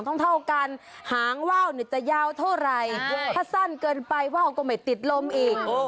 เท่ากันหางว่าวจะยาวเท่าไหร่ถ้าสั้นเกินไปว่าวก็ไม่ติดลมอีก